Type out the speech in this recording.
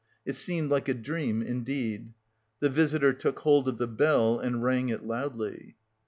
It seemed like a dream indeed. The visitor took hold of the bell and rang it loudly.